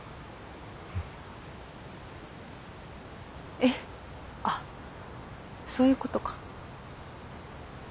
えっあっそういうことか。